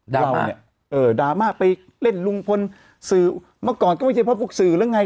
ดราม่าเออดราม่าไปเล่นลุงพลสื่อเมื่อก่อนก็ไม่ใช่เพราะฝุกสื่อแล้วไง